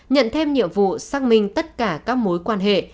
nhận thêm nhiệm vụ xác minh tất cả các mối quan hệ